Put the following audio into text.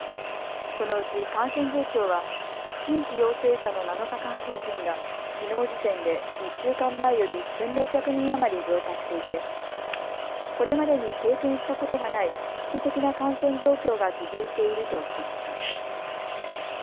このうち感染状況は新規陽性者の７日間平均がきのう時点で１週間前より１６００人余り増加していてこれまでに経験したことがない危機的な感染状況が続いていると指摘しました。